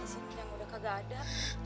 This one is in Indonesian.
si yang udah kagak ada